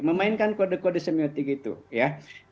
memainkan kode kode semiotik itu ya